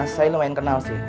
saya lumayan kenal sih